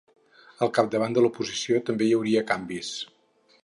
Al capdavant de l’oposició també hi hauria canvis.